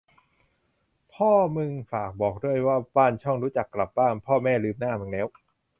พ่อมึงฝากบอกด้วย ว่าบ้านช่องรู้จักกลับบ้าง พ่อแม่ลืมหน้ามึงแล้ว